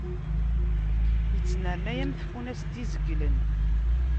Ittnernay am tfunast izeglen.